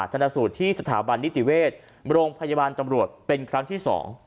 ชนะสูตรที่สถาบันนิติเวชโรงพยาบาลตำรวจเป็นครั้งที่๒